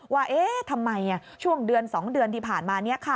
ว่าเอ๊ะทำไมช่วงเดือน๒เดือนที่ผ่านมาเนี่ยค่ะ